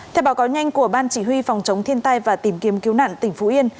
theo báo cáo nhanh của ban chỉ huy phòng chống thiên tai và tìm kiếm cứu nạn tỉnh phú yên